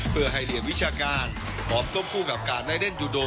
เพื่อให้เรียนวิชาการพร้อมต้มคู่กับการได้เล่นยูโด